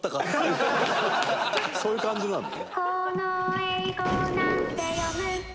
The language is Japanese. そういう感じなんだ。